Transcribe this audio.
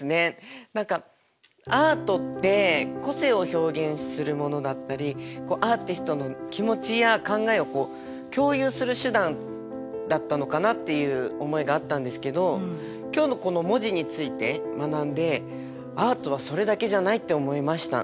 何かアートって個性を表現するものだったりアーティストの気持ちや考えを共有する手段だったのかなっていう思いがあったんですけど今日のこの文字について学んでアートはそれだけじゃないって思いました。